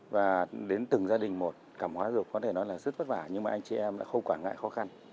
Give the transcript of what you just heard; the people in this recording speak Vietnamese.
và đến từng gia đình một cảm hóa rồi có thể nói là rất vất vả nhưng mà anh chị em đã không quản ngại khó khăn